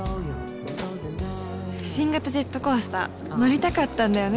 新型ジェットコースター乗りたかったんだよね。